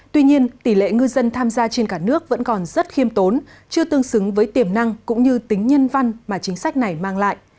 tuy nhiên tỷ lệ ngư dân tham gia trên cả nước vẫn còn rất khiêm tốn chưa tương xứng với tiềm năng cũng như tính nhân văn mà chính sách này mang lại